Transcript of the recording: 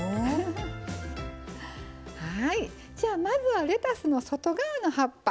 じゃあまずはレタスの外側の葉っぱ。